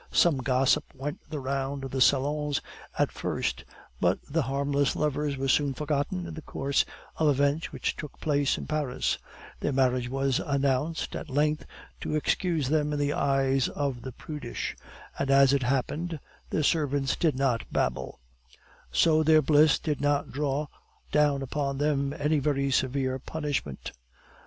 Some gossip went the round of the salons at first, but the harmless lovers were soon forgotten in the course of events which took place in Paris; their marriage was announced at length to excuse them in the eyes of the prudish; and as it happened, their servants did not babble; so their bliss did not draw down upon them any very severe punishment.